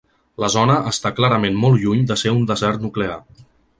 La zona està clarament molt lluny de ser un desert nuclear.